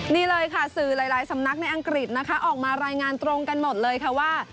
นี่เลยค่ะสื่อหลายสำนักในอังกฤษนะคะออกมารายงานตรงกันหมดเลยค่ะว่า